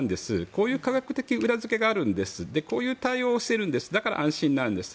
こういう科学的裏付けがあるんですこういう対応をしてるんですだから、安心なんです。